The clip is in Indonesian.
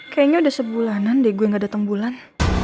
kayaknya udah sebulanan deh gue gak datang bulan